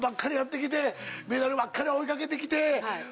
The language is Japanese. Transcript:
メダルばっかり追い掛けてきて。